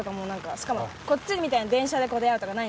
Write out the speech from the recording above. しかもこっちみたいに電車で出会うとかないんですよ。